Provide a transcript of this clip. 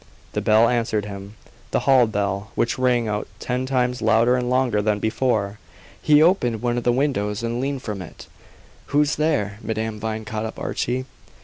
The bell answered him. The hall bell, which rang out ten times louder and longer than before. He opened one of the windows and leaned from it. "Who's there?" Madame Vine caught up Archie.